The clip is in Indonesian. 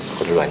aku duluan ya